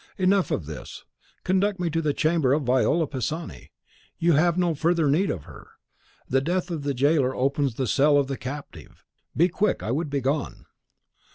Enough of this; conduct me to the chamber of Viola Pisani. You have no further need of her. The death of the jailer opens the cell of the captive. Be quick; I would be gone."